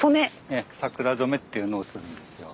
ええ桜染めっていうのをするんですよ。